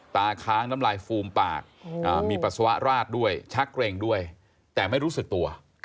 ค้างน้ำลายฟูมปากมีปัสสาวะราดด้วยชักเกร็งด้วยแต่ไม่รู้สึกตัว